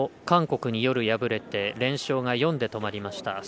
韓国に夜、敗れて連勝が４で止まりました。